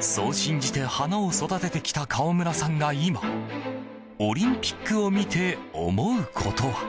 そう信じて花を育ててきた河村さんが今オリンピックを見て思うことは。